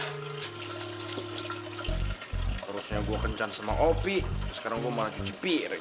seharusnya gue kencan sama opi sekarang gue malah cuci piring